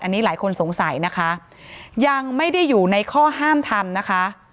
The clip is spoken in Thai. อันนี้หลายคนสงสัยนะคะยังไม่ได้อยู่ในข้อห้ามทำนะคะ